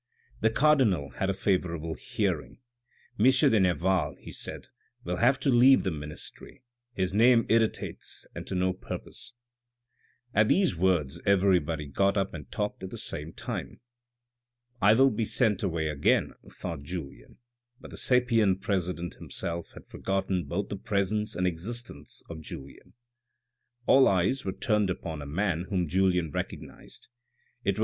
The cardinal had a favourable hearing. " M. de Nerval," he said, " will have to leave the ministry, his name irritates and to no purpose." At these words everybody got up and talked at the same time. " I will be sent away again," thought Julien, but the sapient president himself had forgottoti both the presence and existence of Julien. All eyes were turned upon a man whom Julien recognised. It was M.